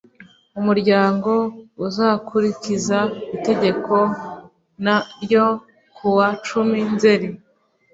umuryango uzakurikiza itegeko n ryo kuwa cumi nzeri